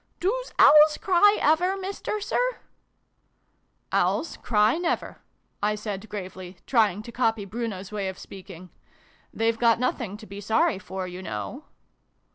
" Doos Owls cry ever, Mister Sir ?"" Owls cry never," I said gravely, trying to copy Bruno's way of speaking :" they've got nothing to be sorry for, you know."